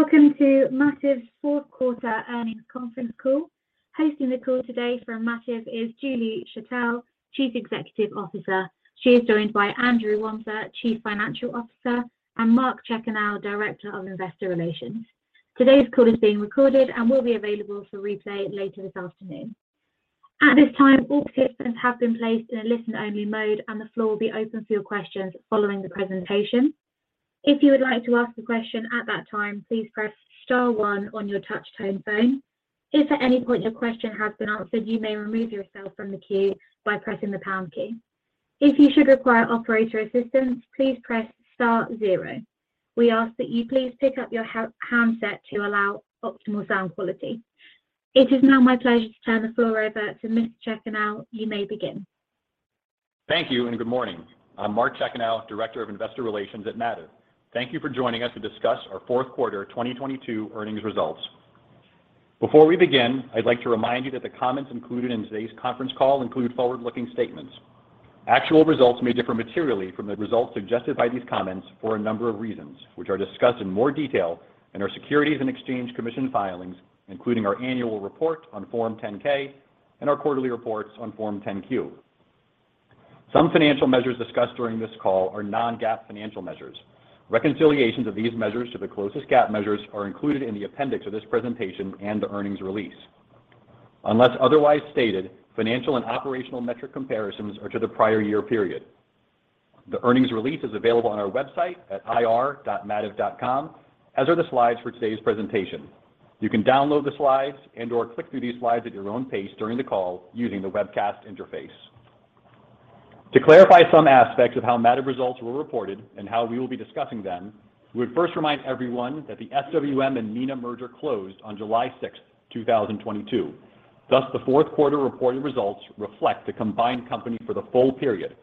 Welcome to Mativ's fourth quarter earnings conference call. Hosting the call today from Mativ is Julie Schertell, Chief Executive Officer. She is joined by Andrew Wamser, Chief Financial Officer, and Mark Chekanow, Director of Investor Relations. Today's call is being recorded and will be available for replay later this afternoon. At this time, all participants have been placed in a listen-only mode. The floor will be open for your questions following the presentation. If you would like to ask a question at that time, please press star one on your touchtone phone. If at any point your question has been answered, you may remove yourself from the queue by pressing the pound key. If you should require operator assistance, please press star zero. We ask that you please pick up your handset to allow optimal sound quality. It is now my pleasure to turn the floor over to Mr. Chekanow. You may begin. Thank you. Good morning. I'm Mark Chekanow, Director of Investor Relations at Mativ. Thank you for joining us to discuss our fourth quarter 2022 earnings results. Before we begin, I'd like to remind you that the comments included in today's conference call include forward-looking statements. Actual results may differ materially from the results suggested by these comments for a number of reasons, which are discussed in more detail in our Securities and Exchange Commission filings, including our annual report on Form 10-K and our quarterly reports on Form 10-Q. Some financial measures discussed during this call are non-GAAP financial measures. Reconciliations of these measures to the closest GAAP measures are included in the appendix of this presentation and the earnings release. Unless otherwise stated, financial and operational metric comparisons are to the prior year period. The earnings release is available on our website at ir.mativ.com, as are the slides for today's presentation. You can download the slides and/or click through these slides at your own pace during the call using the webcast interface. To clarify some aspects of how Mativ results were reported and how we will be discussing them, we would first remind everyone that the SWM and Neenah merger closed on July 6, 2022. The fourth quarter reported results reflect the combined company for the full period.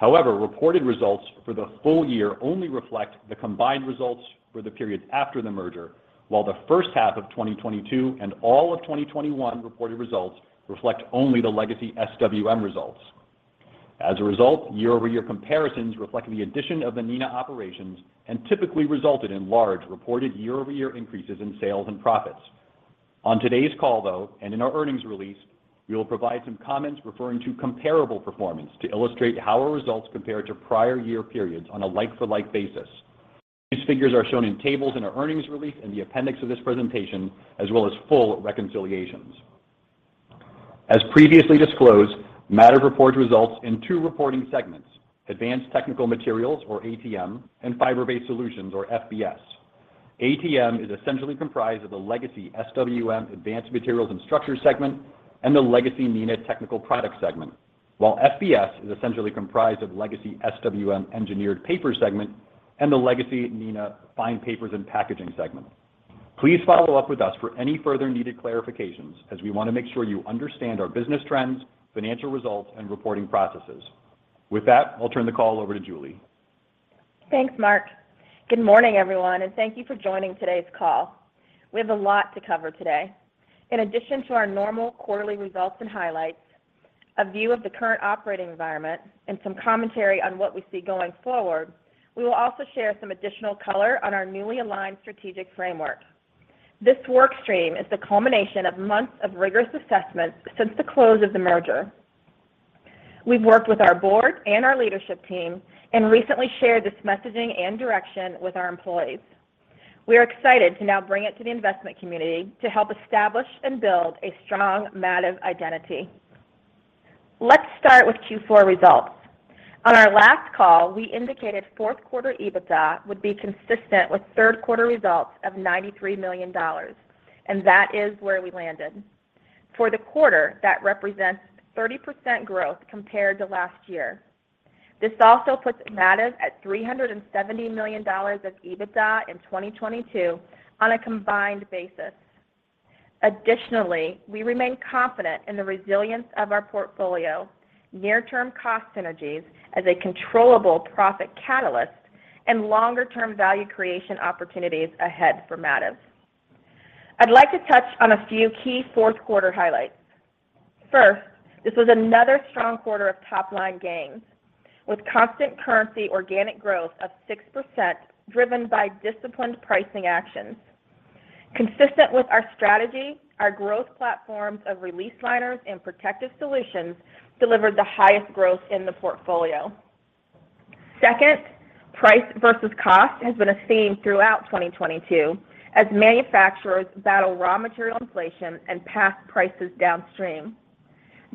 Reported results for the full year only reflect the combined results for the periods after the merger, while the first half of 2022 and all of 2021 reported results reflect only the legacy SWM results. Year-over-year comparisons reflect the addition of the Neenah operations and typically resulted in large reported year-over-year increases in sales and profits. On today's call, though, and in our earnings release, we will provide some comments referring to comparable performance to illustrate how our results compare to prior year periods on a like-for-like basis. These figures are shown in tables in our earnings release in the appendix of this presentation, as well as full reconciliations. As previously disclosed, Mativ reports results in two reporting segments, Advanced Technical Materials or ATM, and Fiber-Based Solutions or FBS. ATM is essentially comprised of the legacy SWM Advanced Materials and Structures segment and the legacy Neenah Technical Products segment, while FBS is essentially comprised of legacy SWM Engineered Papers segment and the legacy Neenah Fine Paper and Packaging segment. Please follow up with us for any further needed clarifications as we want to make sure you understand our business trends, financial results, and reporting processes. With that, I'll turn the call over to Julie. Thanks, Mark. Good morning, everyone, and thank you for joining today's call. We have a lot to cover today. In addition to our normal quarterly results and highlights, a view of the current operating environment, and some commentary on what we see going forward, we will also share some additional color on our newly aligned strategic framework. This work stream is the culmination of months of rigorous assessments since the close of the merger. We've worked with our board and our leadership team and recently shared this messaging and direction with our employees. We are excited to now bring it to the investment community to help establish and build a strong Mativ identity. Let's start with Q4 results. On our last call, we indicated fourth quarter EBITDA would be consistent with third quarter results of $93 million, and that is where we landed. For the quarter, that represents 30% growth compared to last year. This also puts Mativ at $370 million of EBITDA in 2022 on a combined basis. Additionally, we remain confident in the resilience of our portfolio, near-term cost synergies as a controllable profit catalyst, and longer-term value creation opportunities ahead for Mativ. I'd like to touch on a few key fourth quarter highlights. First, this was another strong quarter of top-line gains, with constant currency organic growth of 6% driven by disciplined pricing actions. Consistent with our strategy, our growth platforms of release liners and protective solutions delivered the highest growth in the portfolio. Second, price versus cost has been a theme throughout 2022 as manufacturers battle raw material inflation and pass prices downstream.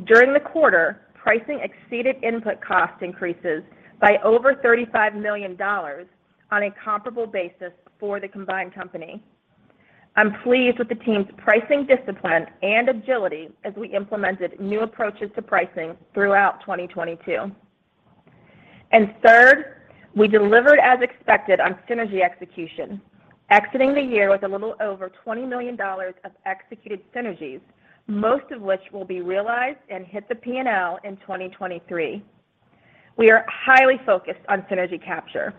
During the quarter, pricing exceeded input cost increases by over $35 million on a comparable basis for the combined company. I'm pleased with the team's pricing discipline and agility as we implemented new approaches to pricing throughout 2022. Third, we delivered as expected on synergy execution, exiting the year with a little over $20 million of executed synergies, most of which will be realized and hit the P&L in 2023. We are highly focused on synergy capture,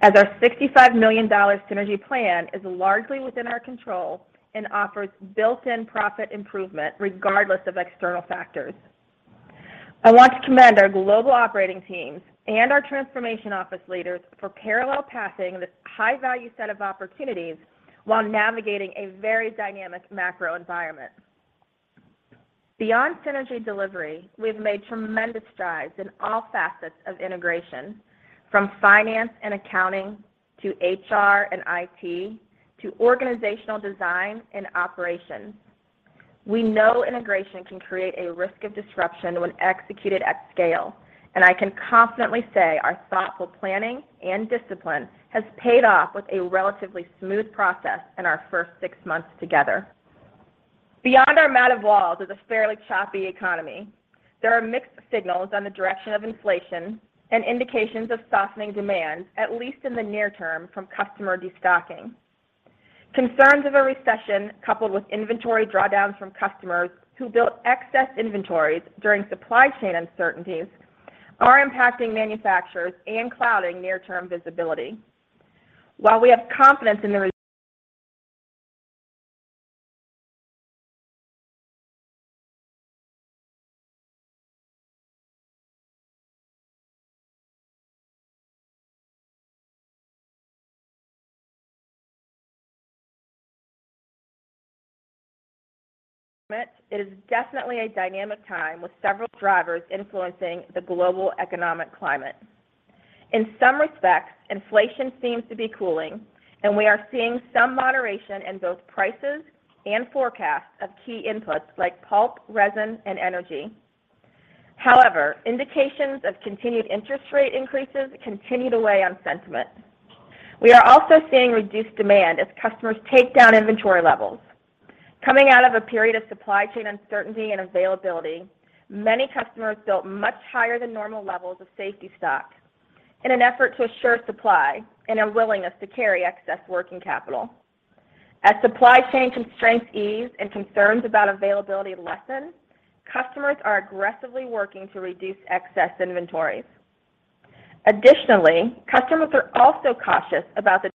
as our $65 million synergy plan is largely within our control and offers built-in profit improvement regardless of external factors. I want to commend our global operating teams and our transformation office leaders for parallel passing this high-value set of opportunities while navigating a very dynamic macro environment. Beyond synergy delivery, we've made tremendous strides in all facets of integration, from finance and accounting to HR and IT to organizational design and operations. We know integration can create a risk of disruption when executed at scale, and I can confidently say our thoughtful planning and discipline has paid off with a relatively smooth process in our first six months together. Beyond our amount of walls is a fairly choppy economy. There are mixed signals on the direction of inflation and indications of softening demand, at least in the near term, from customer destocking. Concerns of a recession coupled with inventory drawdowns from customers who built excess inventories during supply chain uncertainties are impacting manufacturers and clouding near-term visibility. It is definitely a dynamic time with several drivers influencing the global economic climate. In some respects, inflation seems to be cooling, and we are seeing some moderation in both prices and forecasts of key inputs like pulp, resin, and energy. However, indications of continued interest rate increases continue to weigh on sentiment. We are also seeing reduced demand as customers take down inventory levels. Coming out of a period of supply chain uncertainty and availability, many customers built much higher-than-normal levels of safety stock in an effort to assure supply and a willingness to carry excess working capital. As supply chain constraints ease and concerns about availability lessen, customers are aggressively working to reduce excess inventories. Additionally, customers are also cautious about the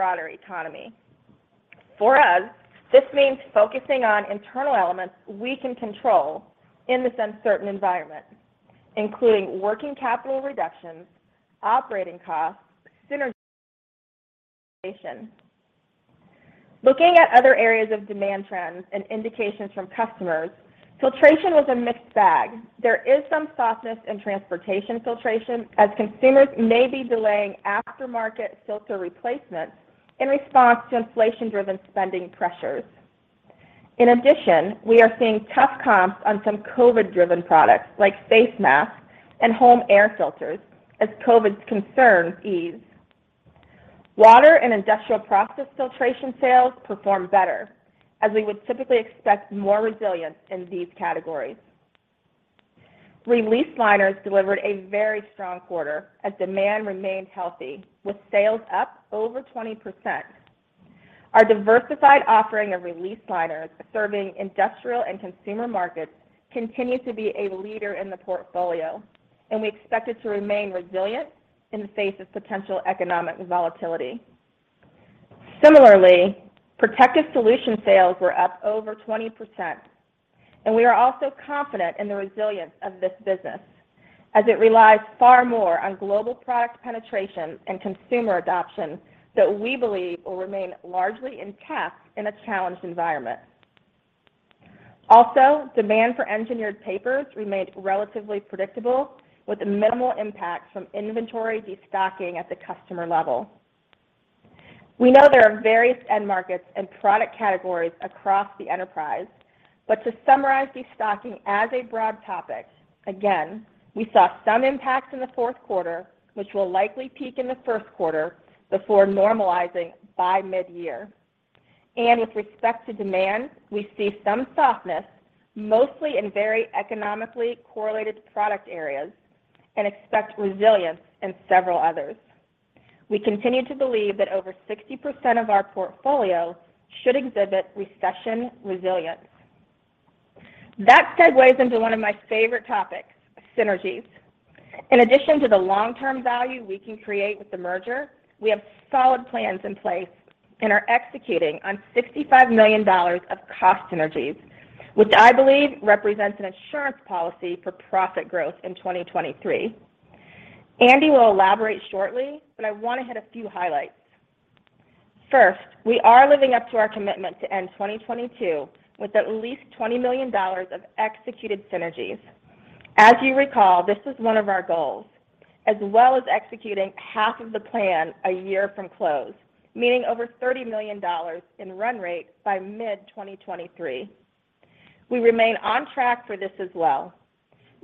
broader economy. For us, this means focusing on internal elements we can control in this uncertain environment, including working capital reductions, operating costs, synergy. Looking at other areas of demand trends and indications from customers, filtration was a mixed bag. There is some softness in transportation filtration as consumers may be delaying aftermarket filter replacements in response to inflation-driven spending pressures. In addition, we are seeing tough comps on some COVID-driven products like face masks and home air filters as COVID's concerns ease. Water and industrial process filtration sales perform better as we would typically expect more resilience in these categories. Release liners delivered a very strong quarter as demand remained healthy, with sales up over 20%. Our diversified offering of release liners serving industrial and consumer markets continues to be a leader in the portfolio, and we expect it to remain resilient in the face of potential economic volatility. Similarly, protective solutions sales were up over 20%, and we are also confident in the resilience of this business as it relies far more on global product penetration and consumer adoption that we believe will remain largely intact in a challenged environment. Also, demand for Engineered Papers remained relatively predictable with minimal impact from inventory destocking at the customer level. We know there are various end markets and product categories across the enterprise, but to summarize destocking as a broad topic, again, we saw some impacts in the fourth quarter, which will likely peak in the first quarter before normalizing by mid-year. With respect to demand, we see some softness, mostly in very economically correlated product areas, and expect resilience in several others. We continue to believe that over 60% of our portfolio should exhibit recession resilience. That segues into one of my favorite topics, synergies. In addition to the long-term value we can create with the merger, we have solid plans in place and are executing on $65 million of cost synergies, which I believe represents an insurance policy for profit growth in 2023. Andy will elaborate shortly, but I want to hit a few highlights. First, we are living up to our commitment to end 2022 with at least $20 million of executed synergies. As you recall, this is one of our goals, as well as executing half of the plan a year from close, meaning over $30 million in run rate by mid-2023. We remain on track for this as well.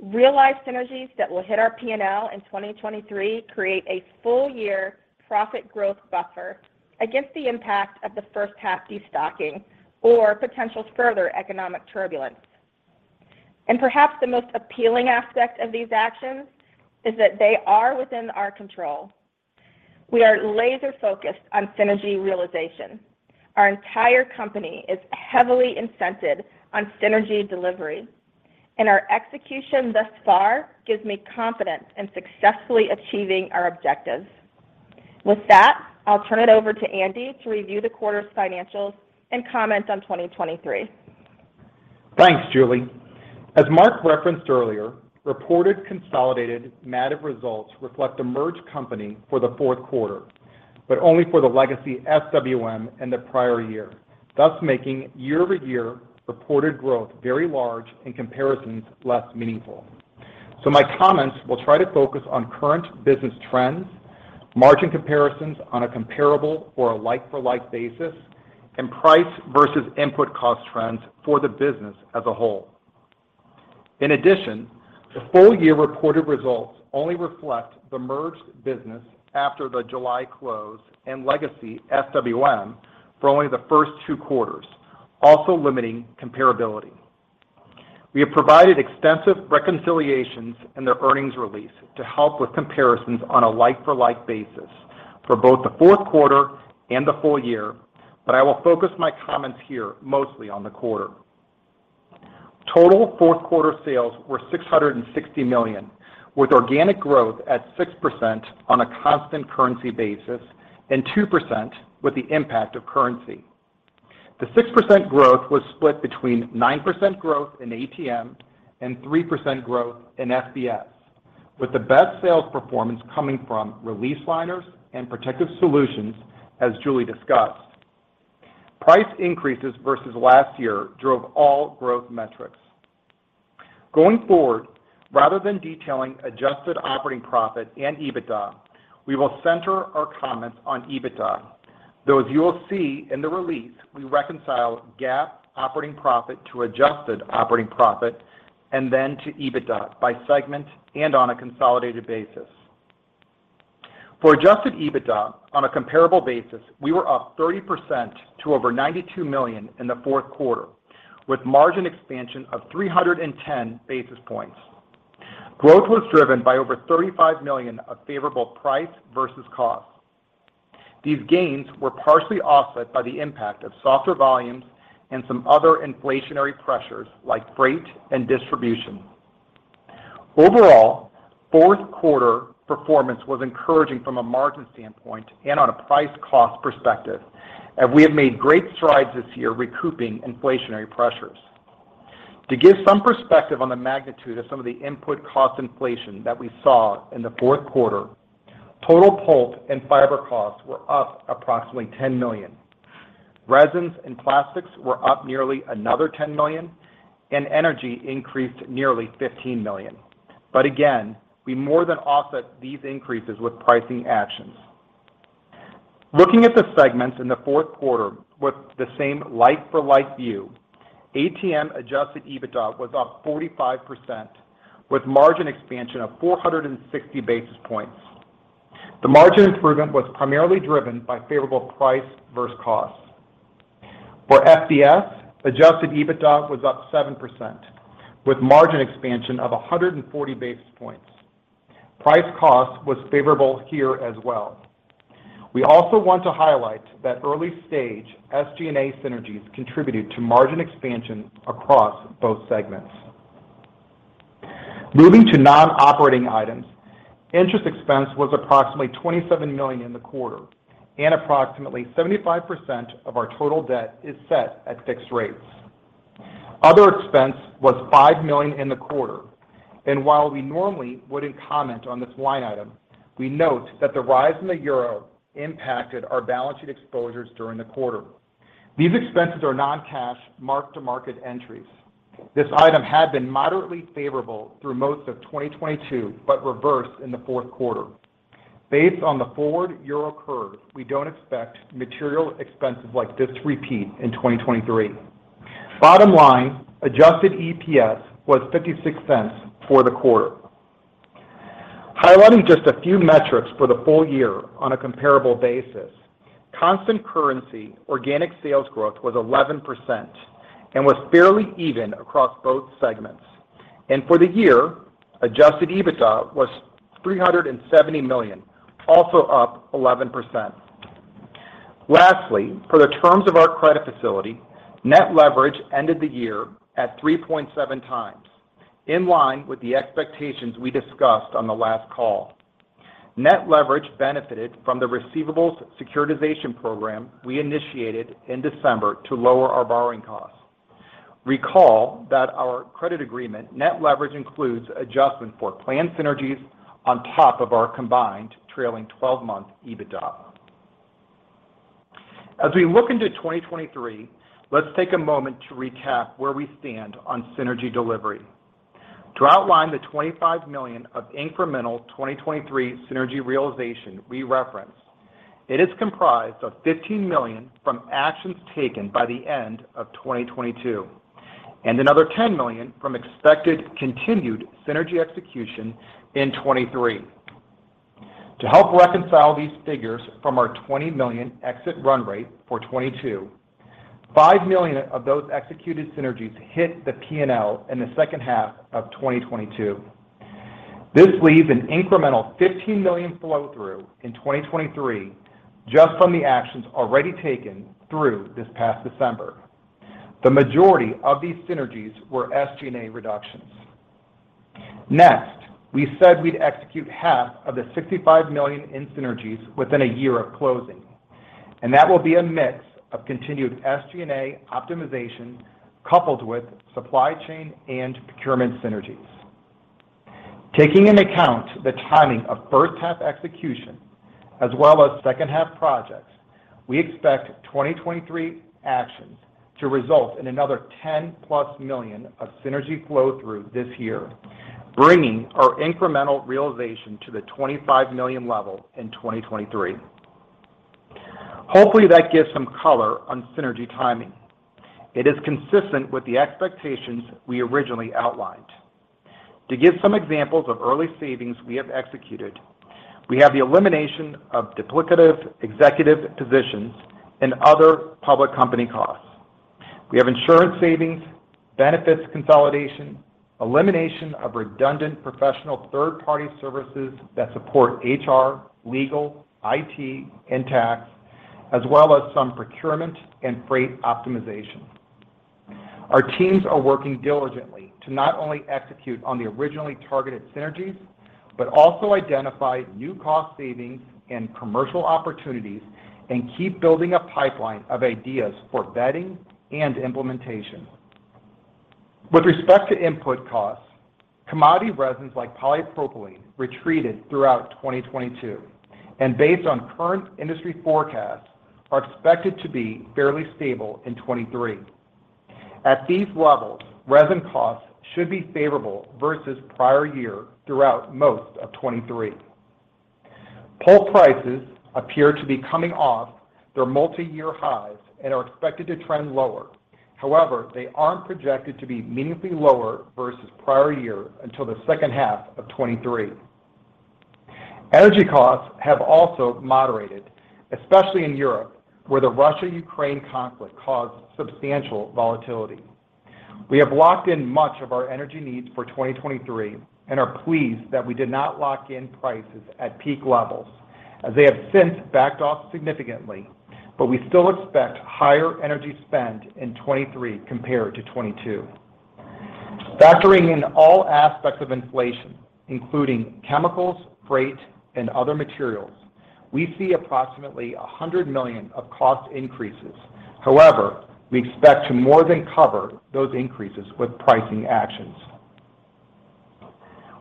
Realized synergies that will hit our P&L in 2023 create a full year profit growth buffer against the impact of the first half destocking or potential further economic turbulence. Perhaps the most appealing aspect of these actions is that they are within our control. We are laser-focused on synergy realization. Our entire company is heavily incented on synergy delivery, and our execution thus far gives me confidence in successfully achieving our objectives. With that, I'll turn it over to Andy to review the quarter's financials and comment on 2023. Thanks, Julie. As Mark referenced earlier, reported consolidated Mativ results reflect a merged company for the fourth quarter, but only for the legacy SWM and the prior year, thus making year-over-year reported growth very large and comparisons less meaningful. My comments will try to focus on current business trends, margin comparisons on a comparable or a like-for-like basis, and price versus input cost trends for the business as a whole. In addition, the full-year reported results only reflect the merged business after the July close and legacy SWM for only the first two quarters, also limiting comparability. We have provided extensive reconciliations in the earnings release to help with comparisons on a like-for-like basis for both the fourth quarter and the full year, I will focus my comments here mostly on the quarter. Total fourth quarter sales were $660 million, with organic growth at 6% on a constant currency basis and 2% with the impact of currency. The 6% growth was split between 9% growth in ATM and 3% growth in FBS, with the best sales performance coming from release liners and protective solutions, as Julie discussed. Price increases versus last year drove all growth metrics. Going forward, rather than detailing adjusted operating profit and EBITDA, we will center our comments on EBITDA, though as you will see in the release, we reconcile GAAP operating profit to adjusted operating profit and then to EBITDA by segment and on a consolidated basis. For adjusted EBITDA on a comparable basis, we were up 30% to over $92 million in the fourth quarter, with margin expansion of 310 basis points. Growth was driven by over $35 million of favorable price versus cost. These gains were partially offset by the impact of softer volumes and some other inflationary pressures like freight and distribution. Overall, fourth quarter performance was encouraging from a margin standpoint and on a price-cost perspective. We have made great strides this year recouping inflationary pressures. To give some perspective on the magnitude of some of the input cost inflation that we saw in the fourth quarter, total pulp and fiber costs were up approximately $10 million. Resins and plastics were up nearly another $10 million, and energy increased nearly $15 million. Again, we more than offset these increases with pricing actions. Looking at the segments in the fourth quarter with the same like-for-like view, ATM adjusted EBITDA was up 45% with margin expansion of 460 basis points. The margin improvement was primarily driven by favorable price versus cost. For FBS, adjusted EBITDA was up 7% with margin expansion of 140 basis points. Price-cost was favorable here as well. We also want to highlight that early stage SG&A synergies contributed to margin expansion across both segments. Moving to non-operating items, interest expense was approximately $27 million in the quarter, and approximately 75% of our total debt is set at fixed rates. Other expense was $5 million in the quarter, and while we normally wouldn't comment on this line item, we note that the rise in the euro impacted our balance sheet exposures during the quarter. These expenses are non-cash mark-to-market entries. This item had been moderately favorable through most of 2022, but reversed in the fourth quarter. Based on the forward EUR curve, we don't expect material expenses like this to repeat in 2023. Bottom line, adjusted EPS was $0.56 for the quarter. Highlighting just a few metrics for the full year on a comparable basis, constant currency organic sales growth was 11% and was fairly even across both segments. For the year, adjusted EBITDA was $370 million, also up 11%. Lastly, for the terms of our credit facility, net leverage ended the year at 3.7 times, in line with the expectations we discussed on the last call. Net leverage benefited from the receivables securitization program we initiated in December to lower our borrowing costs. Recall that our credit agreement net leverage includes adjustment for planned synergies on top of our combined trailing 12-month EBITDA. As we look into 2023, let's take a moment to recap where we stand on synergy delivery. To outline the $25 million of incremental 2023 synergy realization we referenced, it is comprised of $15 million from actions taken by the end of 2022 and another $10 million from expected continued synergy execution in 2023. To help reconcile these figures from our $20 million exit run rate for 2022, $5 million of those executed synergies hit the P&L in the second half of 2022. This leaves an incremental $15 million flow-through in 2023 just from the actions already taken through this past December. The majority of these synergies were SG&A reductions. We said we'd execute half of the $65 million in synergies within a year of closing, that will be a mix of continued SG&A optimization coupled with supply chain and procurement synergies. Taking into account the timing of first half execution as well as second half projects, we expect 2023 actions to result in another $10+ million of synergy flow-through this year, bringing our incremental realization to the $25 million level in 2023. Hopefully, that gives some color on synergy timing. It is consistent with the expectations we originally outlined. To give some examples of early savings we have executed, we have the elimination of duplicative executive positions and other public company costs. We have insurance savings, benefits consolidation, elimination of redundant professional third-party services that support HR, legal, IT, and tax, as well as some procurement and freight optimization. Our teams are working diligently to not only execute on the originally targeted synergies, but also identify new cost savings and commercial opportunities and keep building a pipeline of ideas for vetting and implementation. With respect to input costs, commodity resins like polypropylene retreated throughout 2022, and based on current industry forecasts, are expected to be fairly stable in 2023. At these levels, resin costs should be favorable versus prior year throughout most of 2023. Pull prices appear to be coming off their multi-year highs and are expected to trend lower. They aren't projected to be meaningfully lower versus prior year until the second half of 2023. Energy costs have also moderated, especially in Europe, where the Russia-Ukraine conflict caused substantial volatility. We have locked in much of our energy needs for 2023 and are pleased that we did not lock in prices at peak levels, as they have since backed off significantly, but we still expect higher energy spend in 2023 compared to 2022. Factoring in all aspects of inflation, including chemicals, freight, and other materials, we see approximately $100 million of cost increases. However, we expect to more than cover those increases with pricing actions.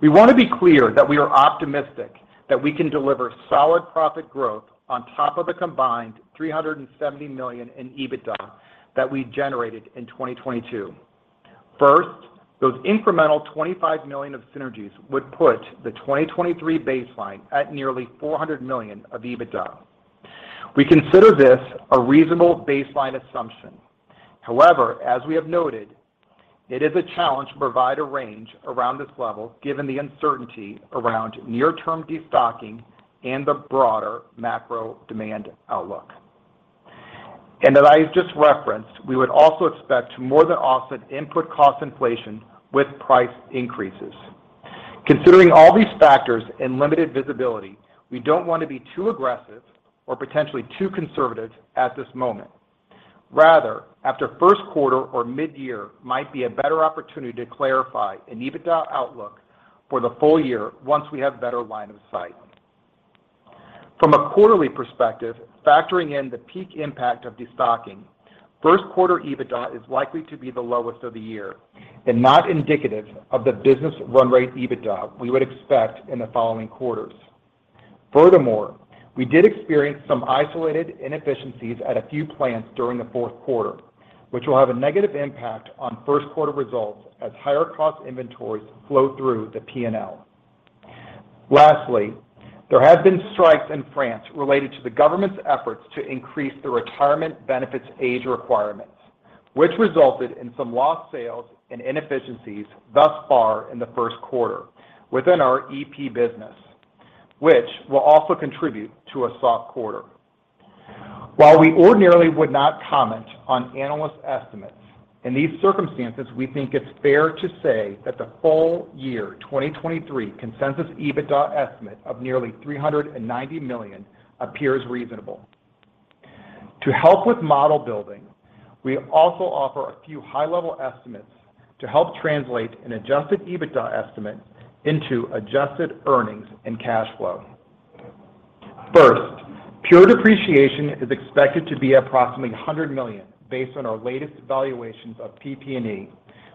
We want to be clear that we are optimistic that we can deliver solid profit growth on top of the combined $370 million in EBITDA that we generated in 2022. First, those incremental $25 million of synergies would put the 2023 baseline at nearly $400 million of EBITDA. We consider this a reasonable baseline assumption. However, as we have noted, it is a challenge to provide a range around this level given the uncertainty around near-term destocking and the broader macro demand outlook. As I just referenced, we would also expect to more than offset input cost inflation with price increases. Considering all these factors and limited visibility, we don't want to be too aggressive or potentially too conservative at this moment. Rather, after first quarter or mid-year might be a better opportunity to clarify an EBITDA outlook for the full year once we have better line of sight. From a quarterly perspective, factoring in the peak impact of destocking, first quarter EBITDA is likely to be the lowest of the year and not indicative of the business run rate EBITDA we would expect in the following quarters. We did experience some isolated inefficiencies at a few plants during the fourth quarter, which will have a negative impact on first quarter results as higher cost inventories flow through the P&L. There have been strikes in France related to the government's efforts to increase the retirement benefits age requirements, which resulted in some lost sales and inefficiencies thus far in the first quarter within our EP business, which will also contribute to a soft quarter. While we ordinarily would not comment on analyst estimates, in these circumstances, we think it's fair to say that the full year 2023 consensus EBITDA estimate of nearly $390 million appears reasonable. To help with model building, we also offer a few high-level estimates to help translate an adjusted EBITDA estimate into adjusted earnings and cash flow. First, pure depreciation is expected to be approximately $100 million based on our latest evaluations of PP&E,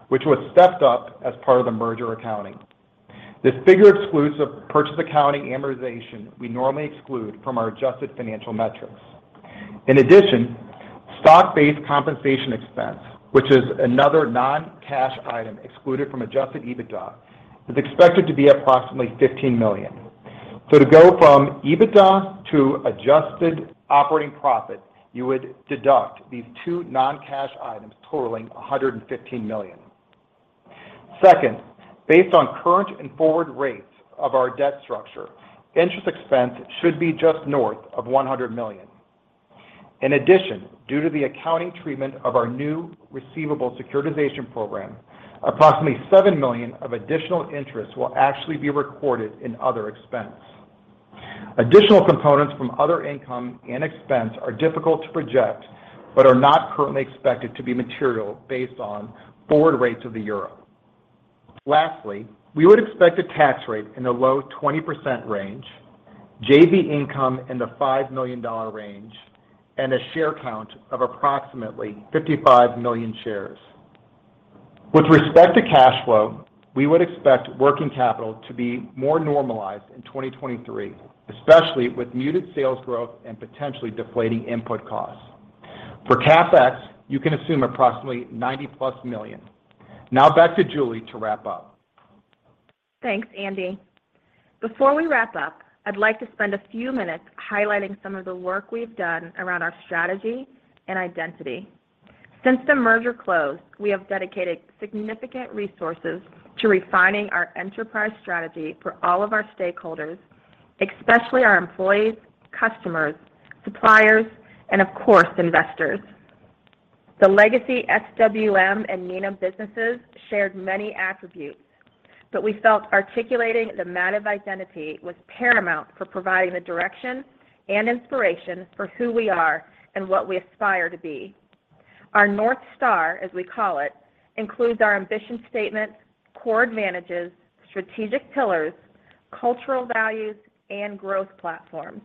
which was stepped up as part of the merger accounting. This figure excludes a purchase accounting amortization we normally exclude from our adjusted financial metrics. In addition, stock-based compensation expense, which is another non-cash item excluded from adjusted EBITDA, is expected to be approximately $15 million. To go from EBITDA to adjusted operating profit, you would deduct these two non-cash items totaling $115 million. Second, based on current and forward rates of our debt structure, interest expense should be just north of $100 million. In addition, due to the accounting treatment of our new receivables securitization program, approximately $7 million of additional interest will actually be recorded in other expense. Additional components from other income and expense are difficult to project, but are not currently expected to be material based on forward rates of the euro. Lastly, we would expect a tax rate in the low 20% range, JV income in the $5 million range, and a share count of approximately 55 million shares. With respect to cash flow, we would expect working capital to be more normalized in 2023, especially with muted sales growth and potentially deflating input costs. For CapEx, you can assume approximately $90+ million. Back to Julie to wrap up. Thanks, Andy. Before we wrap up, I'd like to spend a few minutes highlighting some of the work we've done around our strategy and identity. Since the merger closed, we have dedicated significant resources to refining our enterprise strategy for all of our stakeholders, especially our employees, customers, suppliers, and of course, investors. The legacy SWM and Neenah businesses shared many attributes, but we felt articulating the Mativ identity was paramount for providing the direction and inspiration for who we are and what we aspire to be. Our North Star, as we call it, includes our ambition statement, core advantages, strategic pillars, cultural values, and growth platforms.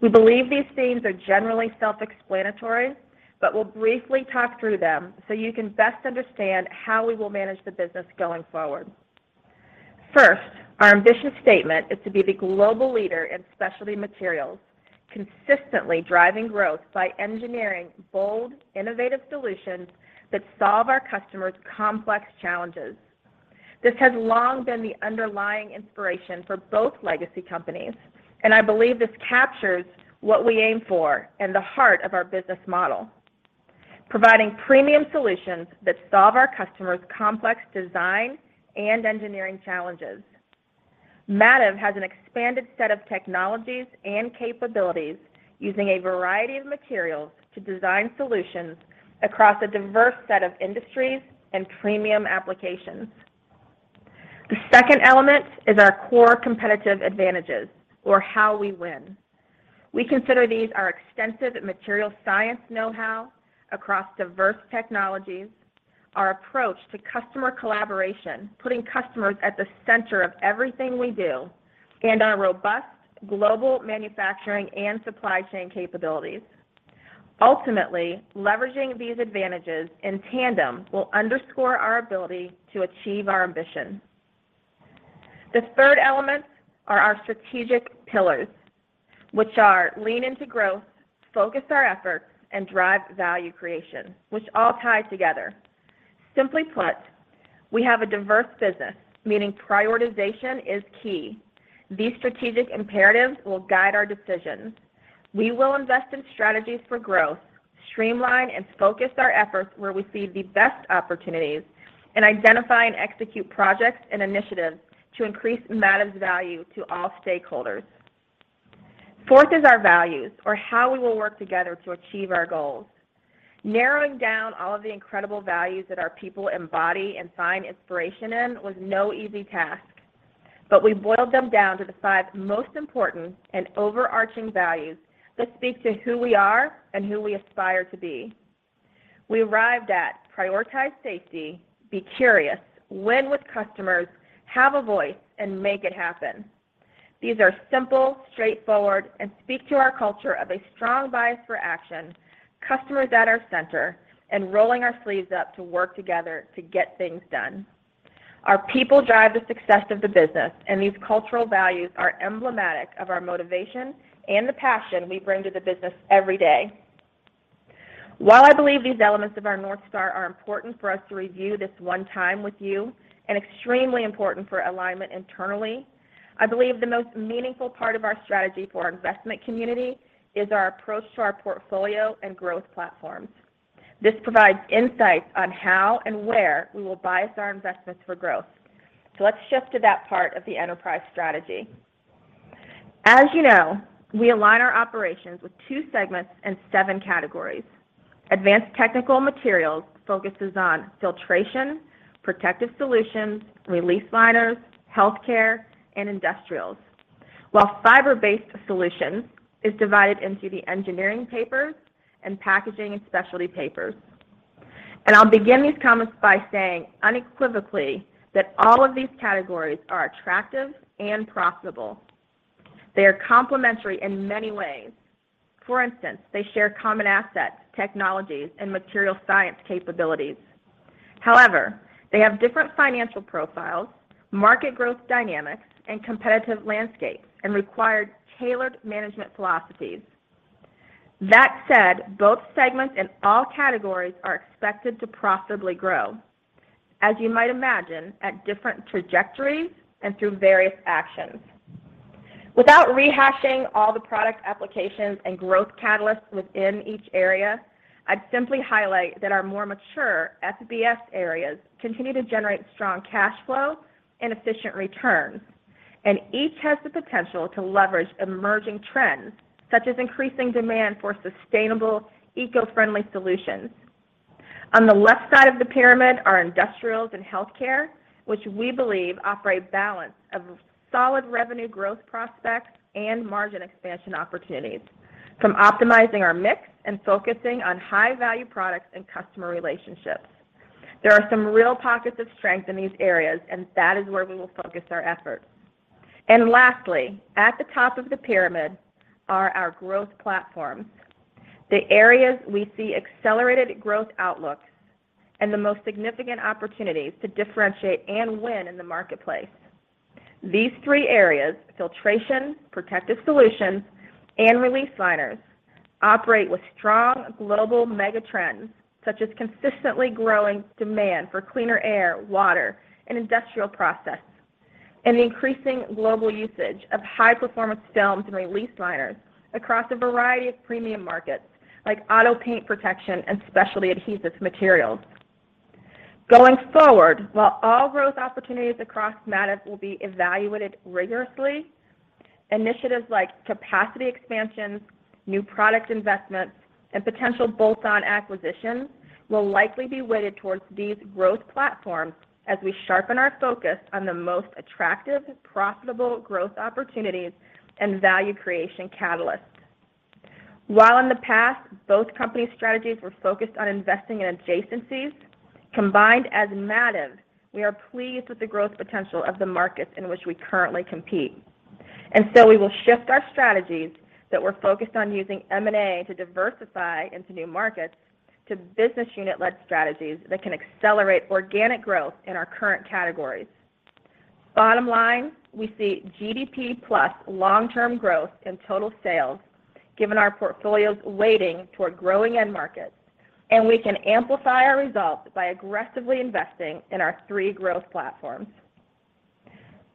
We believe these themes are generally self-explanatory, but we'll briefly talk through them so you can best understand how we will manage the business going forward. First, our ambition statement is to be the global leader in specialty materials, consistently driving growth by engineering bold, innovative solutions that solve our customers' complex challenges. This has long been the underlying inspiration for both legacy companies. I believe this captures what we aim for and the heart of our business model, providing premium solutions that solve our customers' complex design and engineering challenges. Mativ has an expanded set of technologies and capabilities using a variety of materials to design solutions across a diverse set of industries and premium applications. The second element is our core competitive advantages, or how we win. We consider these our extensive material science know-how across diverse technologies, our approach to customer collaboration, putting customers at the center of everything we do, and our robust global manufacturing and supply chain capabilities. Ultimately, leveraging these advantages in tandem will underscore our ability to achieve our ambition. The third element are our strategic pillars, which are lean into growth, focus our efforts, and drive value creation, which all tie together. Simply put, we have a diverse business, meaning prioritization is key. These strategic imperatives will guide our decisions. We will invest in strategies for growth, streamline and focus our efforts where we see the best opportunities, and identify and execute projects and initiatives to increase Mativ's value to all stakeholders. Fourth is our values, or how we will work together to achieve our goals. Narrowing down all of the incredible values that our people embody and find inspiration in was no easy task, but we boiled them down to the five most important and overarching values that speak to who we are and who we aspire to be. We arrived at prioritize safety, be curious, win with customers, have a voice, and make it happen. These are simple, straightforward, and speak to our culture of a strong bias for action, customers at our center, and rolling our sleeves up to work together to get things done. Our people drive the success of the business, and these cultural values are emblematic of our motivation and the passion we bring to the business every day. While I believe these elements of our North Star are important for us to review this one time with you and extremely important for alignment internally, I believe the most meaningful part of our strategy for our investment community is our approach to our portfolio and growth platforms. This provides insights on how and where we will bias our investments for growth. Let's shift to that part of the enterprise strategy. As you know, we align our operations with two segments and seven categories. Advanced Technical Materials focuses on filtration, protective solutions, release liners, healthcare, and industrials. While Fiber-Based Solutions is divided into the Engineered Papers and packaging and specialty papers. I'll begin these comments by saying unequivocally that all of these categories are attractive and profitable. They are complementary in many ways. For instance, they share common assets, technologies, and material science capabilities. However, they have different financial profiles, market growth dynamics, and competitive landscapes, and require tailored management philosophies. That said, both segments and all categories are expected to profitably grow as you might imagine, at different trajectories and through various actions. Without rehashing all the product applications and growth catalysts within each area, I'd simply highlight that our more mature FBS areas continue to generate strong cash flow and efficient returns, and each has the potential to leverage emerging trends, such as increasing demand for sustainable eco-friendly solutions. On the left side of the pyramid are industrials and healthcare, which we believe offer a balance of solid revenue growth prospects and margin expansion opportunities from optimizing our mix and focusing on high-value products and customer relationships. There are some real pockets of strength in these areas, and that is where we will focus our efforts. Lastly, at the top of the pyramid are our growth platforms, the areas we see accelerated growth outlooks and the most significant opportunities to differentiate and win in the marketplace. These three areas, filtration, protective solutions, and release liners, operate with strong global mega trends, such as consistently growing demand for cleaner air, water, and industrial process, and the increasing global usage of high-performance films and release liners across a variety of premium markets like auto paint protection and specialty adhesives materials. Going forward, while all growth opportunities across Mativ will be evaluated rigorously, initiatives like capacity expansions, new product investments, and potential bolt-on acquisitions will likely be weighted towards these growth platforms as we sharpen our focus on the most attractive, profitable growth opportunities and value creation catalysts. While in the past, both company strategies were focused on investing in adjacencies, combined as Mativ, we are pleased with the growth potential of the markets in which we currently compete. We will shift our strategies that were focused on using M&A to diversify into new markets to business unit-led strategies that can accelerate organic growth in our current categories. Bottom line, we see GDP plus long-term growth in total sales given our portfolio's weighting toward growing end markets, and we can amplify our results by aggressively investing in our three growth platforms.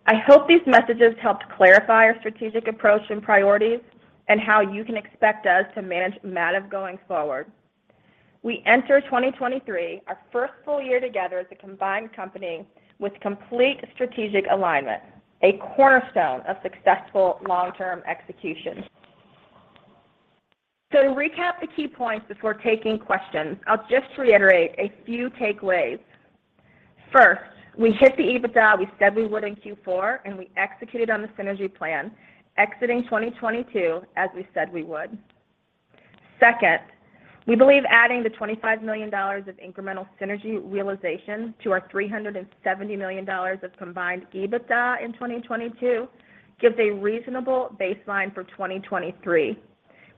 I hope these messages helped clarify our strategic approach and priorities and how you can expect us to manage Mativ going forward. We enter 2023, our first full year together as a combined company, with complete strategic alignment, a cornerstone of successful long-term execution. To recap the key points before taking questions, I'll just reiterate a few takeaways. First, we hit the EBITDA we said we would in Q4, and we executed on the synergy plan, exiting 2022 as we said we would. Second, we believe adding the $25 million of incremental synergy realization to our $370 million of combined EBITDA in 2022 gives a reasonable baseline for 2023,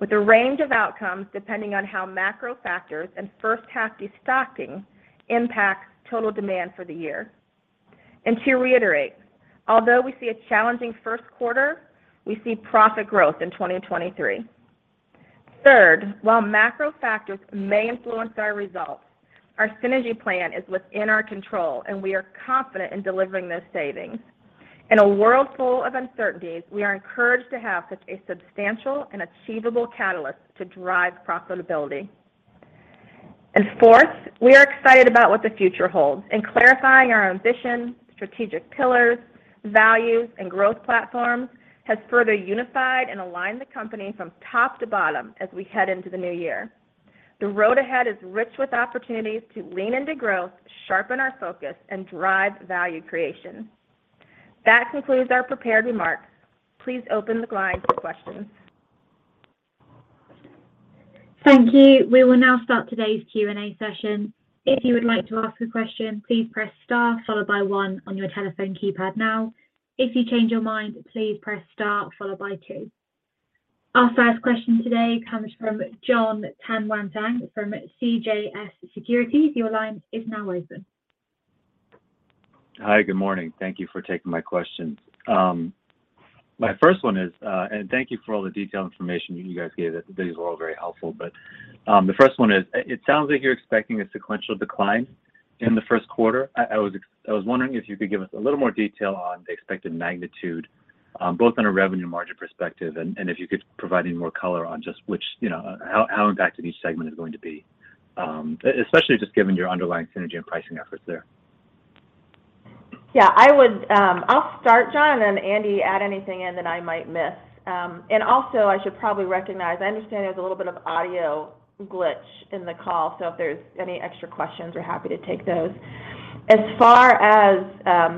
with a range of outcomes depending on how macro factors and first half destocking impact total demand for the year. To reiterate, although we see a challenging first quarter, we see profit growth in 2023. Third, while macro factors may influence our results, our synergy plan is within our control, and we are confident in delivering those savings. In a world full of uncertainties, we are encouraged to have such a substantial and achievable catalyst to drive profitability. Fourth, we are excited about what the future holds. In clarifying our ambition, strategic pillars, values, and growth platforms has further unified and aligned the company from top to bottom as we head into the new year. The road ahead is rich with opportunities to lean into growth, sharpen our focus, and drive value creation. That concludes our prepared remarks. Please open the lines for questions. Thank you. We will now start today's Q&A session. If you would like to ask a question, please press star followed by one on your telephone keypad now. If you change your mind, please press star followed by two. Our first question today comes from Jon Tanwanteng from CJS Securities. Your line is now open. Hi. Good morning. Thank you for taking my questions. My first one is... Thank you for all the detailed information you guys gave. These were all very helpful. The first one is, it sounds like you're expecting a sequential decline in the first quarter. I was wondering if you could give us a little more detail on the expected magnitude, both on a revenue margin perspective and if you could provide any more color on just which, you know, how impacted each segment is going to be, especially just given your underlying synergy and pricing efforts there. Yeah. I would I'll start, Jon, and then Andy, add anything in that I might miss. Also, I should probably recognize, I understand there's a little bit of audio glitch in the call, so if there's any extra questions, we're happy to take those. As far as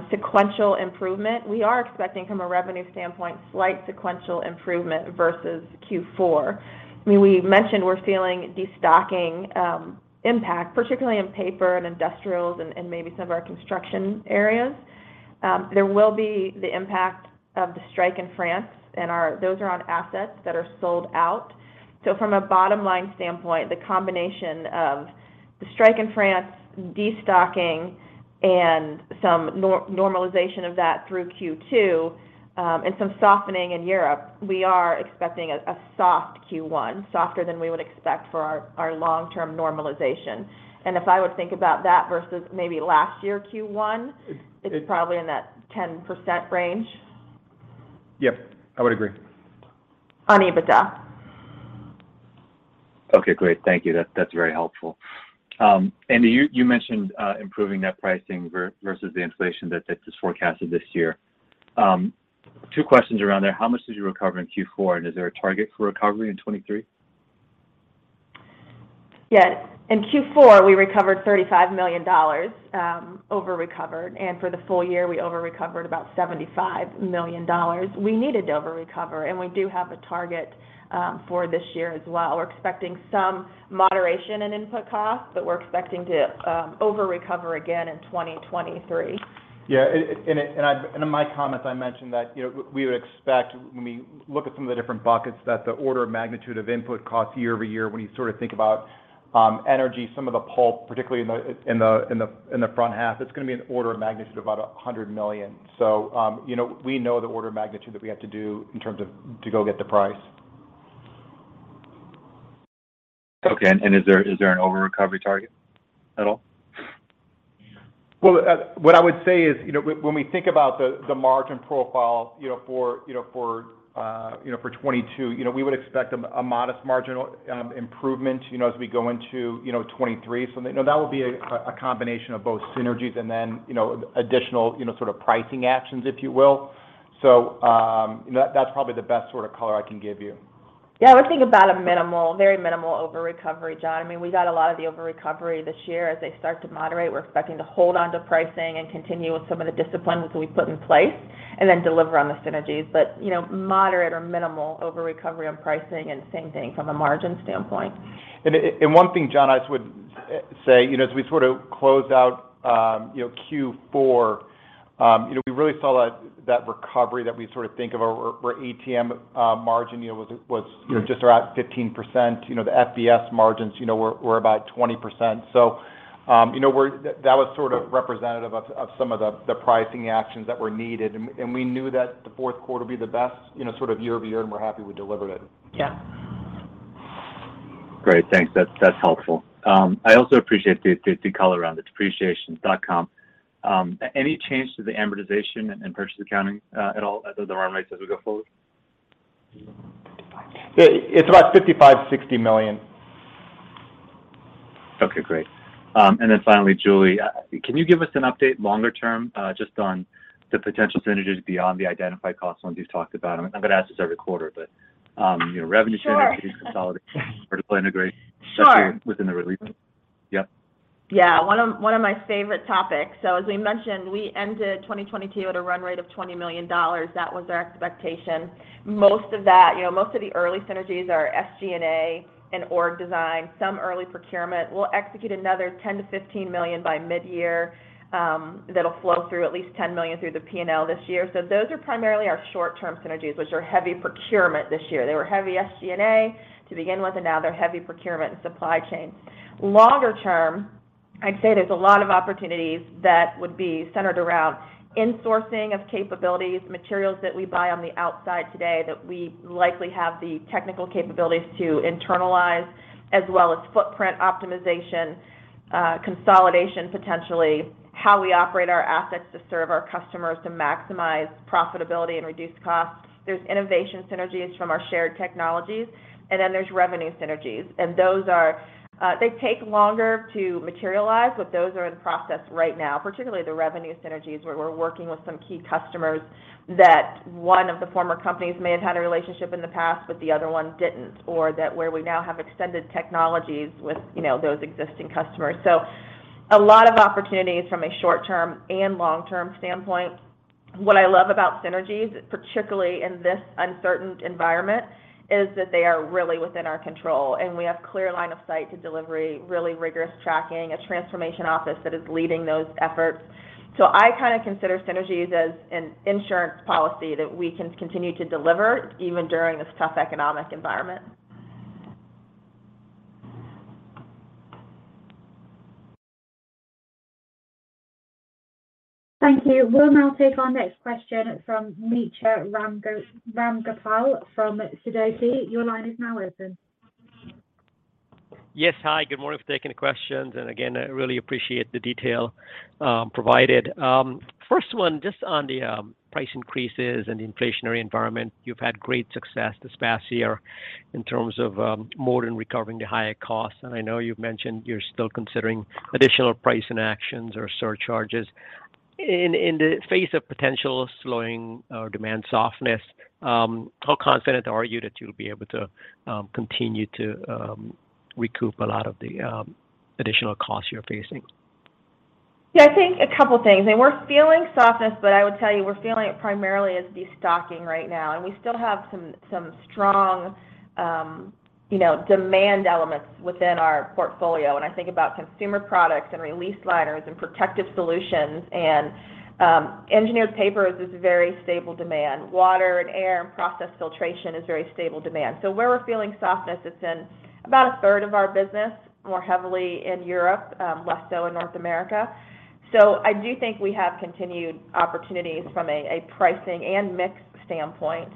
sequential improvement, we are expecting from a revenue standpoint slight sequential improvement versus Q4. I mean, we mentioned we're feeling destocking impact, particularly in paper and industrials and maybe some of our construction areas. There will be the impact of the strike in France. Those are on assets that are sold out. From a bottom-line standpoint, the combination of the strike in France, destocking, and some normalization of that through Q2, and some softening in Europe, we are expecting a soft Q1, softer than we would expect for our long-term normalization. If I would think about that versus maybe last year Q1, it's probably in that 10% range. Yep. I would agree. On EBITDA. Okay, great. Thank you. That's very helpful. Andy, you mentioned improving net pricing versus the inflation that is forecasted this year. Two questions around there. How much did you recover in Q4, and is there a target for recovery in 2023? Yes. In Q4, we recovered $35 million, over-recovered. For the full year, we over-recovered about $75 million. We needed to over-recover, and we do have a target for this year as well. We're expecting some moderation in input costs, but we're expecting to over-recover again in 2023. In my comments, I mentioned that, you know, we would expect when we look at some of the different buckets that the order of magnitude of input costs year-over-year, when you sort of think about energy, some of the pulp, particularly in the front half, it's gonna be an order of magnitude of about $100 million. You know, we know the order of magnitude that we have to do in terms of to go get the price. Okay. Is there an over-recovery target at all? Well, what I would say is, you know, when we think about the margin profile, you know, for, you know, for, you know, for 2022, you know, we would expect a modest marginal improvement, you know, as we go into, you know, 2023. You know, that will be a combination of both synergies and then, you know, additional, you know, sort of pricing actions, if you will. That's probably the best sort of color I can give you. Yeah. We're thinking about a minimal, very minimal over-recovery, Jon. I mean, we got a lot of the over-recovery this year. As they start to moderate, we're expecting to hold on to pricing and continue with some of the disciplines that we put in place and then deliver on the synergies. you know, moderate or minimal over-recovery on pricing and same thing from a margin standpoint. One thing, Jon, I just would say, you know, as we sort of close out, you know, Q4, you know, we really saw that recovery that we sort of think of our ATM, margin, you know, was, you know, just around 15%. You know, the FBS margins, you know, were about 20%. That was sort of representative of some of the pricing actions that were needed. We knew that the fourth quarter would be the best, you know, sort of year-over-year, and we're happy we delivered it. Yeah. Great. Thanks. That's helpful. I also appreciate the color around the depreciation.com, Any change to the amortization and purchase accounting at all at the run rates as we go forward? 55. It's about $55 million-$60 million. Okay, great. Finally, Julie, can you give us an update longer term, just on the potential synergies beyond the identified cost ones you've talked about? I'm gonna ask this every quarter, but, you know, revenue synergies- Sure. consolidation, vertical integration. Sure. within the release? Yeah. Yeah. One of my favorite topics. As we mentioned, we ended 2022 at a run rate of $20 million. That was our expectation. Most of that, you know, most of the early synergies are SG&A and org design. Some early procurement. We'll execute another $10 million-$15 million by mid-year, that'll flow through at least $10 million through the P&L this year. Those are primarily our short-term synergies, which are heavy procurement this year. They were heavy SG&A to begin with, and now they're heavy procurement and supply chain. Longer term, I'd say there's a lot of opportunities that would be centered around insourcing of capabilities, materials that we buy on the outside today that we likely have the technical capabilities to internalize, as well as footprint optimization, consolidation potentially, how we operate our assets to serve our customers to maximize profitability and reduce costs. There's innovation synergies from our shared technologies. Then there's revenue synergies. Those are, they take longer to materialize, but those are in process right now, particularly the revenue synergies, where we're working with some key customers that one of the former companies may have had a relationship in the past, but the other one didn't, or that where we now have extended technologies with, you know, those existing customers. A lot of opportunities from a short-term and long-term standpoint. What I love about synergies, particularly in this uncertain environment, is that they are really within our control, and we have clear line of sight to delivery, really rigorous tracking, a transformation office that is leading those efforts. I kind of consider synergies as an insurance policy that we can continue to deliver even during this tough economic environment. Thank you. We'll now take our next question from Mitra Ramgopal from Sidoti. Your line is now open. Yes. Hi. Good morning for taking the questions. Again, I really appreciate the detail provided. First one, just on the price increases and inflationary environment, you've had great success this past year in terms of more than recovering the higher costs. I know you've mentioned you're still considering additional pricing actions or surcharges. In the face of potential slowing or demand softness, how confident are you that you'll be able to continue to recoup a lot of the additional costs you're facing? Yeah, I think a couple things. I mean, we're feeling softness, but I would tell you we're feeling it primarily as destocking right now. We still have some strong You know, demand elements within our portfolio. I think about consumer products and release liners and protective solutions and Engineered Papers is very stable demand. Water and air and process filtration is very stable demand. Where we're feeling softness, it's in about a third of our business, more heavily in Europe, less so in North America. I do think we have continued opportunities from a pricing and mix standpoint.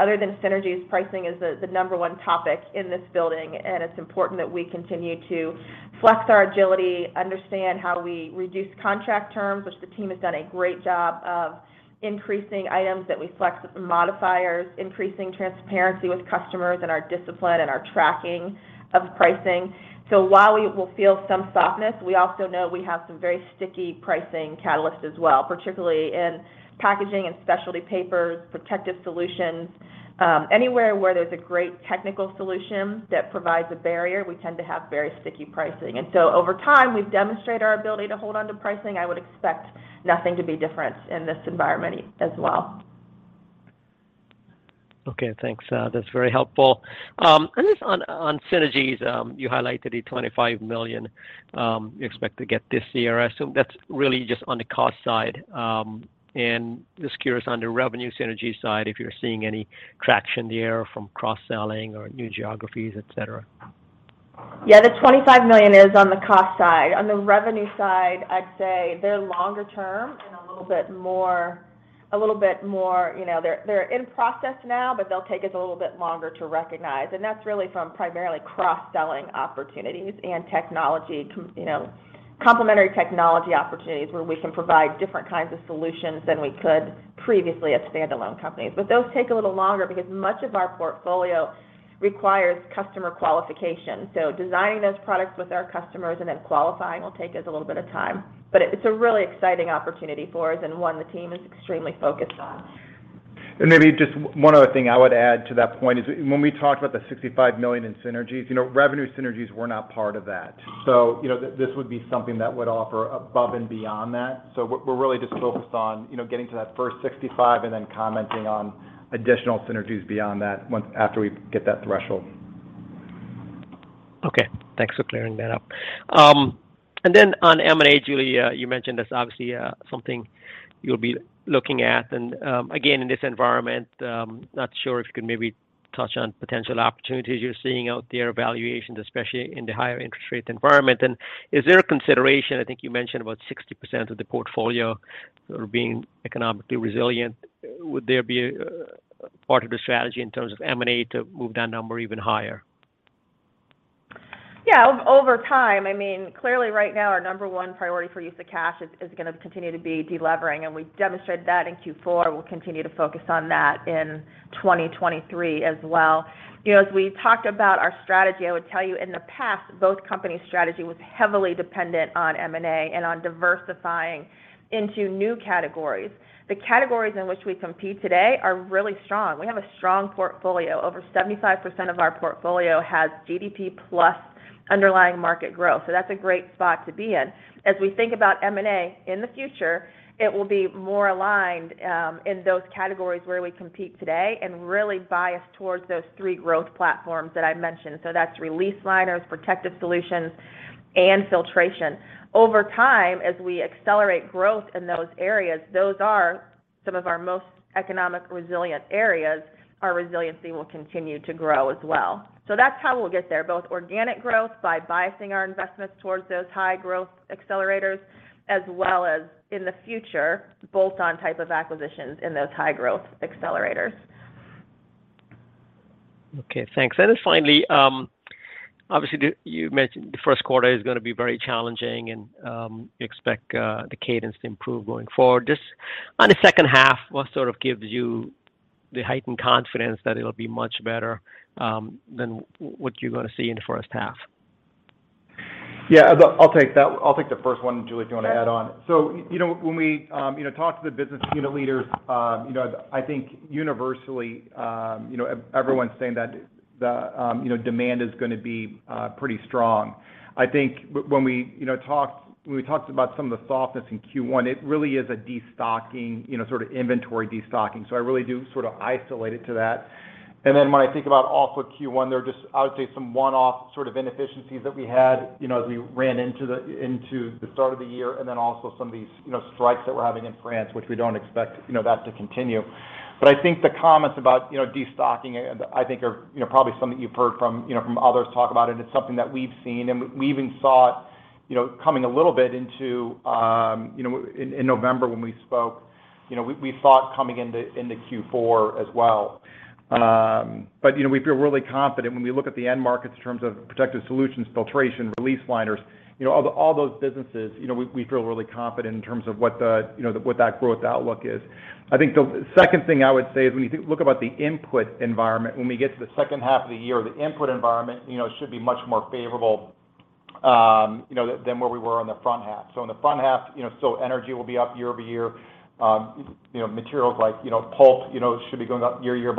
Other than synergies, pricing is the number one topic in this building, and it's important that we continue to flex our agility, understand how we reduce contract terms, which the team has done a great job of increasing items that we flex with modifiers, increasing transparency with customers and our discipline and our tracking of pricing. While we will feel some softness, we also know we have some very sticky pricing catalysts as well, particularly in packaging and specialty papers, protective solutions, anywhere where there's a great technical solution that provides a barrier, we tend to have very sticky pricing. Over time, we've demonstrated our ability to hold onto pricing. I would expect nothing to be different in this environment as well. Okay. Thanks. that's very helpful. Just on synergies, you highlighted the $25 million, you expect to get this year. I assume that's really just on the cost side. Just curious on the revenue synergy side, if you're seeing any traction there from cross-selling or new geographies, et cetera. Yeah. The $25 million is on the cost side. On the revenue side, I'd say they're longer term and a little bit more. You know, they're in process now, but they'll take us a little bit longer to recognize. That's really from primarily cross-selling opportunities and technology, you know, complementary technology opportunities where we can provide different kinds of solutions than we could previously as standalone companies. Those take a little longer because much of our portfolio requires customer qualification. Designing those products with our customers and then qualifying will take us a little bit of time. It's a really exciting opportunity for us and one the team is extremely focused on. Maybe just one other thing I would add to that point is when we talked about the $65 million in synergies, you know, revenue synergies were not part of that. You know, this would be something that would offer above and beyond that. We're really just focused on, you know, getting to that first 65 and then commenting on additional synergies beyond that after we get that threshold. Okay. Thanks for clearing that up. Then on M&A, Julie, you mentioned that's obviously something you'll be looking at. Again, in this environment, not sure if you could maybe touch on potential opportunities you're seeing out there, valuations, especially in the higher interest rate environment. Is there a consideration, I think you mentioned about 60% of the portfolio sort of being economically resilient? Would there be a part of the strategy in terms of M&A to move that number even higher? Yeah. Over time, I mean, clearly right now our number one priority for use of cash is gonna continue to be delevering, and we've demonstrated that in Q4. We'll continue to focus on that in 2023 as well. You know, as we talked about our strategy, I would tell you in the past, both companies' strategy was heavily dependent on M&A and on diversifying into new categories. The categories in which we compete today are really strong. We have a strong portfolio. Over 75% of our portfolio has GDP plus underlying market growth. That's a great spot to be in. As we think about M&A in the future, it will be more aligned, in those categories where we compete today and really biased towards those three growth platforms that I mentioned. That's release liners, protective solutions, and filtration. Over time, as we accelerate growth in those areas, those are some of our most economic resilient areas, our resiliency will continue to grow as well. That's how we'll get there, both organic growth by biasing our investments towards those high growth accelerators, as well as in the future, bolt-on type of acquisitions in those high growth accelerators. Okay. Thanks. Finally, obviously You mentioned the first quarter is gonna be very challenging and you expect the cadence to improve going forward. Just on the second half, what sort of gives you the heightened confidence that it'll be much better than what you're gonna see in the first half? Yeah. I'll take that. I'll take the first one, Julie, if you wanna add on. You know, when we, you know, talk to the business unit leaders, you know, I think universally, you know, everyone's saying that the, you know, demand is gonna be pretty strong. I think when we, you know, talked about some of the softness in Q1, it really is a destocking, you know, sort of inventory destocking. I really do sort of isolate it to that. Then when I think about also Q1, there are just, I would say, some one-off sort of inefficiencies that we had, you know, as we ran into the start of the year and then also some of these, you know, strikes that we're having in France, which we don't expect, you know, that to continue. I think the comments about, you know, destocking, I think are, you know, probably something you've heard from, you know, from others talk about it. It's something that we've seen, and we even saw it, you know, coming a little bit into, you know, in November when we spoke. We, we saw it coming into Q4 as well. We feel really confident when we look at the end markets in terms of protective solutions, filtration, release liners, you know, all those businesses, you know, we feel really confident in terms of what the, you know, what that growth outlook is. I think the second thing I would say is when you look about the input environment, when we get to the second half of the year, the input environment, you know, should be much more favorable, you know, than where we were on the front half. On the front half, you know, energy will be up year-over-year. You know, materials like, you know, pulp, you know, should be going up year-over-year.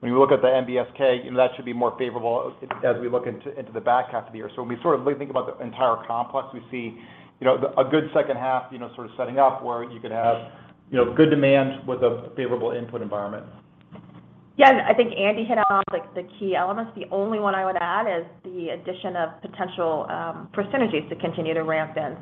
When you look at the NBSK, you know, that should be more favorable as we look into the back half of the year. When we sort of think about the entire complex, we see, you know, a good second half, you know, sort of setting up where you could have, you know, good demand with a favorable input environment. Yeah, I think Andy hit on like the key elements. The only one I would add is the addition of potential percentage to continue to ramp in.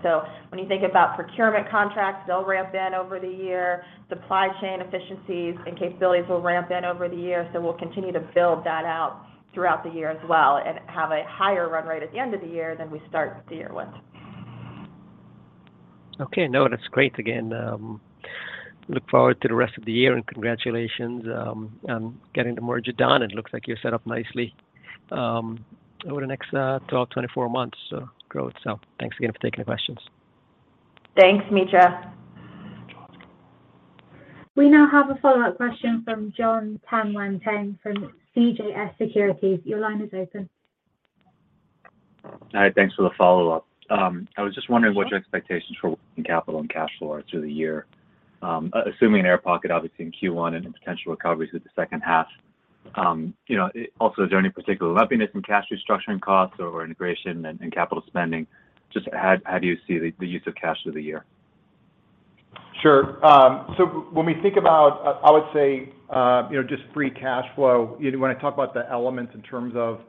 When you think about procurement contracts, they'll ramp in over the year. Supply chain efficiencies and capabilities will ramp in over the year. We'll continue to build that out throughout the year as well and have a higher run rate at the end of the year than we start the year with. Okay. No, that's great. Again, look forward to the rest of the year, congratulations on getting the merger done. It looks like you're set up nicely over the next 12, 24 months, growth. Thanks again for taking the questions. Thanks, Mitra. We now have a follow-up question from Jon Tanwanteng from CJS Securities. Your line is open. Hi. Thanks for the follow-up. I was just wondering what your expectations for working capital and cash flow are through the year, assuming an air pocket obviously in Q1 and potential recoveries with the second half. You know, also, is there any particular lumpiness in cash restructuring costs or integration and capital spending? Just how do you see the use of cash through the year? Sure. Um, so when we think about, uh, I would say, uh, you know, just free cash flow, you know, when I talk about the elements in terms of,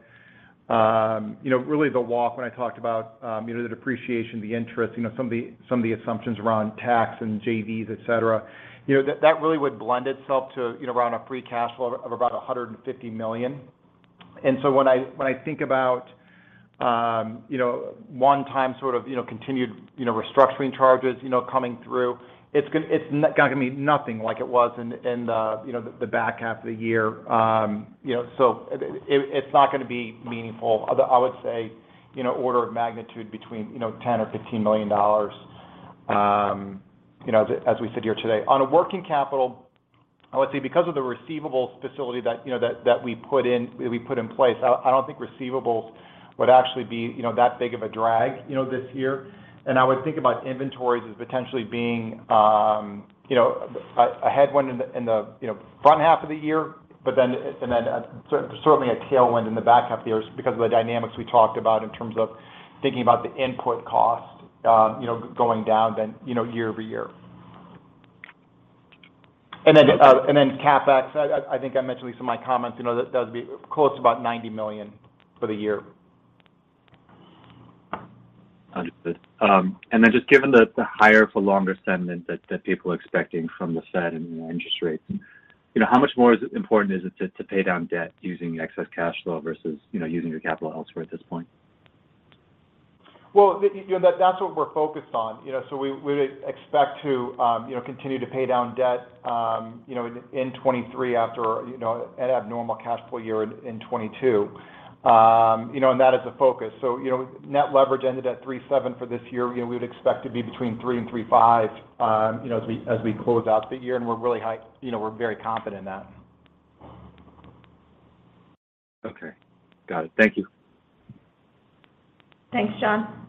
um, you know, really the walk when I talked about, um, you know, the depreciation, the interest, you know, some of the, some of the assumptions around tax and JVs, et cetera, you know, that, that really would blend itself to, you know, around a free cash flow of about a hundred and fifty million. And so when I, when I think about, um, you know, one time sort of, you know, continued, you know, restructuring charges, you know, coming through, it's gonna... it's not gonna be nothing like it was in, in the, you know, the, the back half of the year. Um, you know, so it, it's not gonna be meaningful. I would say, you know, order of magnitude between, you know, $10 million-$15 million, you know, as we sit here today. On a working capital, I would say because of the receivables facility that, you know, we put in place, I don't think receivables would actually be, you know, that big of a drag, you know, this year. I would think about inventories as potentially being, you know, a headwind in the, you know, front half of the year, certainly a tailwind in the back half of the year because of the dynamics we talked about in terms of thinking about the input cost, you know, going down then, you know, year-over-year. CapEx, I think I mentioned at least in my comments, you know, that would be close to about $90 million for the year. Understood. Then just given the higher for longer sentiment that people are expecting from the Fed and, you know, interest rates, you know, how much more is it important to pay down debt using excess cash flow versus, you know, using your capital elsewhere at this point? Well, the, you know, that's what we're focused on, you know. We would expect to, you know, continue to pay down debt, you know, in 2023 after, you know, an abnormal cash flow year in 2022. You know, and that is a focus. You know, net leverage ended at 3.7 for this year. You know, we would expect to be between 3 and 3.5, you know, as we close out the year, you know, we're very confident in that. Okay. Got it. Thank you. Thanks, Jon.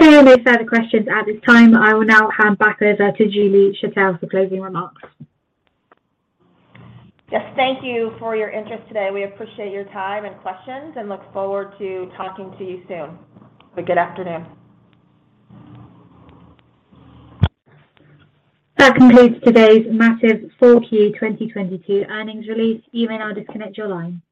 There are no further questions at this time. I will now hand back over to Julie Schertell for closing remarks. Thank you for your interest today. We appreciate your time and questions and look forward to talking to you soon. Have a good afternoon. That concludes today's Mativ 4Q 2022 earnings release. You may now disconnect your line.